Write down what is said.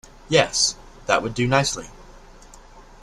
Yes, that would do nicely.